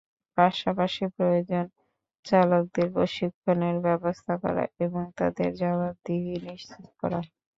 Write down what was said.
পাশাপাশি প্রয়োজন চালকদের প্রশিক্ষণের ব্যবস্থা করা এবং তাঁদের জবাবদিহি নিশ্চিত করা।